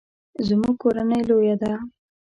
زموږ کورنۍ لویه ده